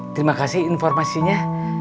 terima kasih informasinya